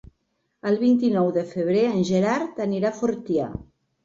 El vint-i-nou de febrer en Gerard anirà a Fortià.